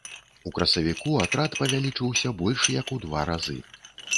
У красавіку атрад павялічыўся больш як у два разы.